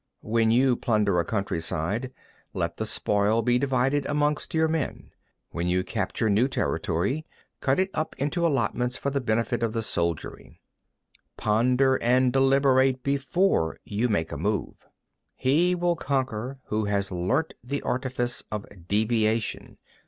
20. When you plunder a countryside, let the spoil be divided amongst your men; when you capture new territory, cut it up into allotments for the benefit of the soldiery. 21. Ponder and deliberate before you make a move. 22. He will conquer who has learnt the artifice of deviation.